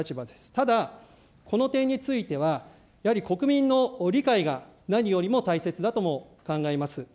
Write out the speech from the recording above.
ただ、この点については、やはり国民の理解が何よりも大切だとも考えます。